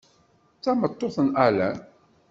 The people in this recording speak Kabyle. D tameṭṭut n Alain.